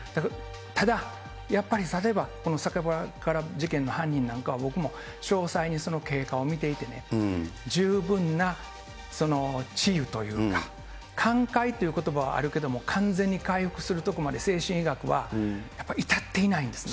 ただ、やっぱり例えば、その酒鬼薔薇事件の犯人なんかは、僕も詳細にその経過を見ていて、十分な治癒というか、寛解ということばはあるけれども、完全に回復するところまで精神医学はやっぱり至っていないんですね。